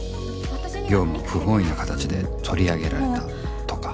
業務を不本意な形で取り上げられたとか